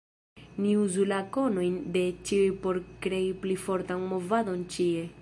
Ni uzu la konojn de ĉiuj por krei pli fortan movadon ĉie.